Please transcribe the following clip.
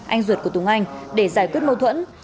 anh ruột của tùng anh để giải quyết mâu thuẫn